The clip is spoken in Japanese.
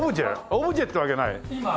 オブジェってわけない？